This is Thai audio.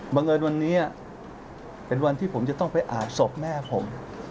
บังเอิญวันนี้เป็นวันที่ผมจะต้องไปอาบศพแม่ผม